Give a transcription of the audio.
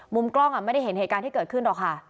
กล้องไม่ได้เห็นเหตุการณ์ที่เกิดขึ้นหรอกค่ะ